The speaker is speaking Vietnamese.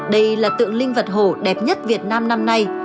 đây là tượng linh vật hồ đẹp nhất việt nam năm nay